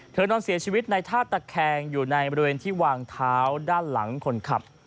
นอนเสียชีวิตในท่าตะแคงอยู่ในบริเวณที่วางเท้าด้านหลังคนขับ